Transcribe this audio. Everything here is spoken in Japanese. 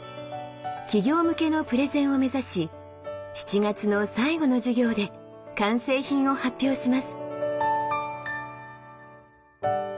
企業向けのプレゼンを目指し７月の最後の授業で完成品を発表します。